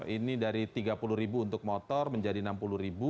ini dari rp tiga puluh untuk motor menjadi rp enam puluh